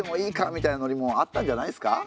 みたいなノリもあったんじゃないですか。